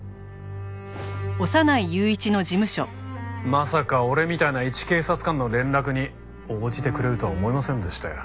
まさか俺みたいないち警察官の連絡に応じてくれるとは思いませんでしたよ。